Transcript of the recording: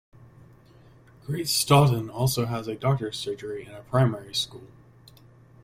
Great Staughton also has a doctor's surgery and a primary school.